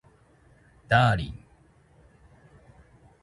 ダーリン